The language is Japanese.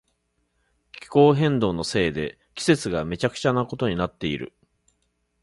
気候変動のせいで季節がめちゃくちゃなことになっている。